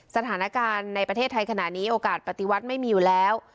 สถานการณ์ในประเทศไทยขณะนี้โอกาสปฏิวัติไม่มีอยู่แล้ว